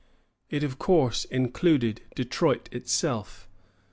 It of course included Detroit itself.